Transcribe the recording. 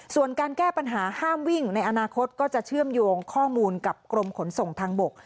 ส่วนการแก้ปัญหาห้ามวิ่งในอนาคตก็จะเชื่อมโยงข้อมูลกับกรมขนส่งทางบก